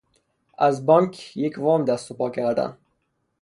از بانک یک وام دست و پا کردن